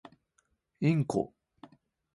インコ